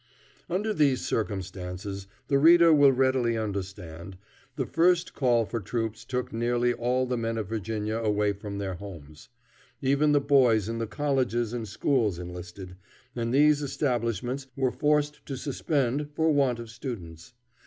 Under these circumstances, the reader will readily understand, the first call for troops took nearly all the men of Virginia away from their homes. Even the boys in the colleges and schools enlisted, and these establishments were forced to suspend for want of students.